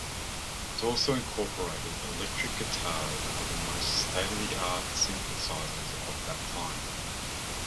It also incorporated electric guitars and the most state-of-the-art synthesizers of that time.